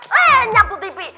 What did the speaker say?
lenyap tuh tipe